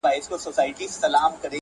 له دې مقامه دا دوه مخي په شړلو ارزي,